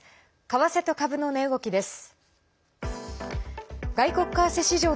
為替と株の値動きです。